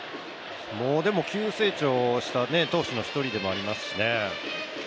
急成長した投手の一人でもありますしね。